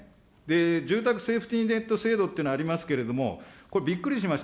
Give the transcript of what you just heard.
住宅セーフティーネット制度というのもありますけれども、これ、びっくりしました。